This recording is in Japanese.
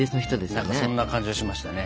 何かそんな感じがしましたね。